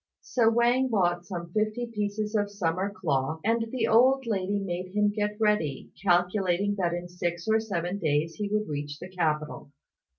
So Wang bought some fifty pieces of summer cloth; and the old lady made him get ready, calculating that in six or seven days he would reach the capital.